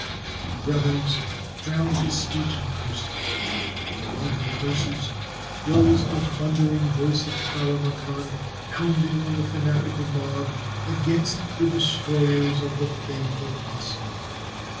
The rebels drowned his speech in curses, and above the curses rose the thundering voice of Kara Makan hounding on the fanatical mob against the destroyers of the faith of Osman.